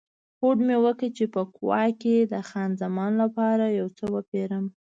هوډ مې وکړ چې په کووا کې د خان زمان لپاره یو څه وپیرم.